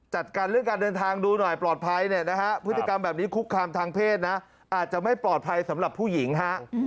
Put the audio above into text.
จัดการเรื่องการเดินทางดูหน่อยปลอดภัยเนี่ยนะฮะพฤติกรรมแบบนี้คุกคามทางเพศนะอาจจะไม่ปลอดภัยสำหรับผู้หญิงฮะ